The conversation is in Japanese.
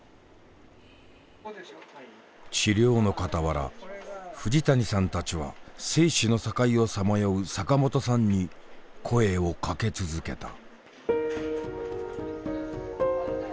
治療の傍ら藤谷さんたちは生死の境をさまよう坂本さんに声をかけ続けた。